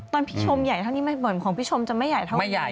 ตอนพี่ชมใหญ่เท่านี้เหมือนของพี่ชมจะไม่ใหญ่เท่านี้